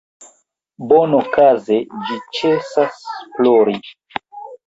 Bonokaze ĝi ĉesas plori.